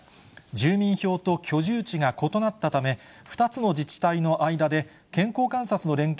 住民票と居住地が異なったため、２つの自治体の間で、健康観察の連携